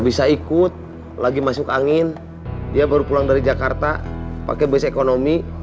berita terkini mengenai cuaca ekstrem dua ribu dua puluh satu